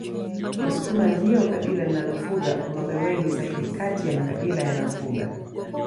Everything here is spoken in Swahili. wasukuma ndio kabila linalofuga ngombe wengi zaidi kati ya makabila yanayofuga